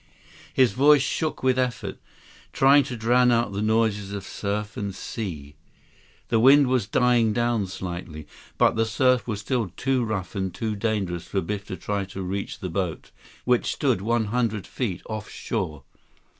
His voice shook with effort, trying to drown out the noises of surf and sea. The wind was dying down slightly, but the surf was still too rough and dangerous for Biff to try to reach the boat, which stood one hundred feet off shore.